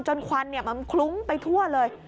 ควันมันคลุ้งไปทั่วเลย